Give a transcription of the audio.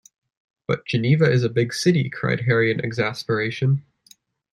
"But Geneva is a big city" cried Harry in exasperation.